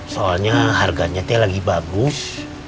soalnya harganya lagi bagus